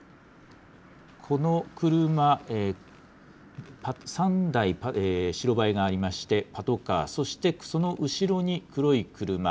この車、３台白バイがありまして、パトカー、そしてその後ろに黒い車。